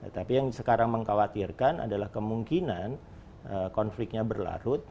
tapi yang sekarang mengkhawatirkan adalah kemungkinan konfliknya berlarut